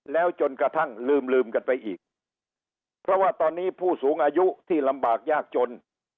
แล้วจนกระทั่งลืมลืมกันไปอีกเพราะว่าตอนนี้ผู้สูงอายุที่ลำบากยากจน